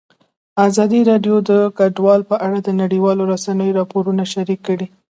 ازادي راډیو د کډوال په اړه د نړیوالو رسنیو راپورونه شریک کړي.